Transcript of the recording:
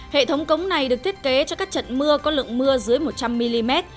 hệ thống cống này được thiết kế cho các trận mưa có lượng mưa dưới một trăm linh mm